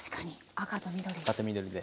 赤と緑で。